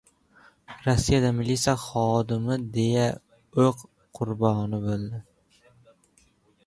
Rossiyada milisiya xodimi daydi o‘q qurboni bo‘ldi